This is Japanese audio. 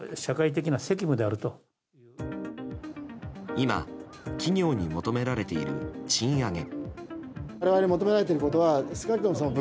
今、企業に求められている賃上げ。